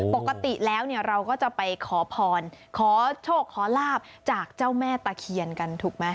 ปกติแล้วเนี่ยเราก็จะไปขอพรขอโชคขอลาบจากเจ้าแม่ตะเคียนกันถูกไหม